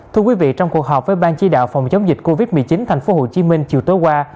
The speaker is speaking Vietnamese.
thưa quý vị trong cuộc họp với ban chí đạo phòng chống dịch covid một mươi chín thành phố hồ chí minh chiều tối qua